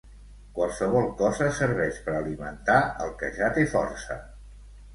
Qualsevol cosa serveix per alimentar el que ja té força.